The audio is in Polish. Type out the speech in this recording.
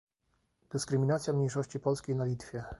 Dyskryminacja mniejszości polskiej na Litwie